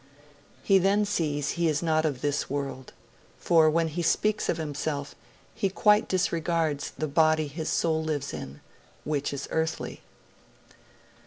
He then sees he is not of this world; for when he speaks of himself he quite disregards the body his soul lives in, which is earthly.'